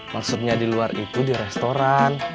maksudnya di luar itu di restoran